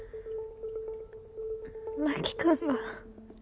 真木君が。